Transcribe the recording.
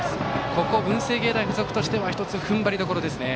ここ文星芸大付属としては１つ、ふんばりどころですね。